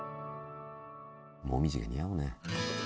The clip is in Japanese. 紅葉が似合うね。